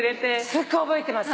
すっごい覚えてます。